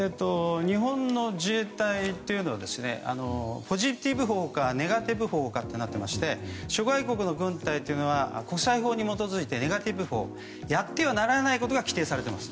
日本の自衛隊というのはポジティブ法かネガティブ法かとなっていまして諸外国の軍隊は国際法に基づいてネガティブ法としてやってはならないことが規定されています。